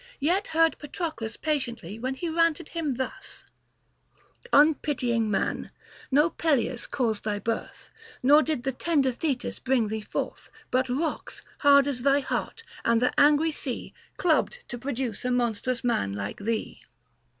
f yet heard Patroclus pa tiently when he ranted him thus : Unpitying man ! no Peleus caused thy birth, Nor did the tender Thetis bring thee forth ; But rocks, hard as thy heart, and th' angry sea Clubbed to produce a monstrous man like thee.